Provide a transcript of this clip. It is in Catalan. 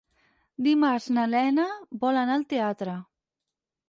Dimarts na Lena vol anar al teatre.